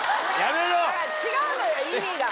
違うのよ意味が。